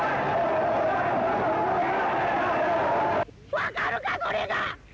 わかるかこれが。